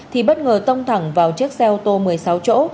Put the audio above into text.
thì bất ngờ tông thẳng vào chiếc xe ô tô một mươi sáu chỗ